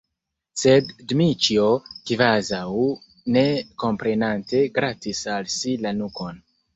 Sed Dmiĉjo, kvazaŭ ne komprenante, gratis al si la nukon.